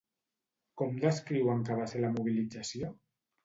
Com descriuen que va ser la mobilització?